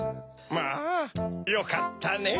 ああよかったねぇ。